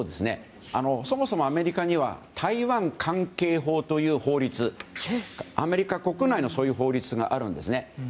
そもそもアメリカには台湾関係法という法律アメリカ国内のそういう法律があるんですね。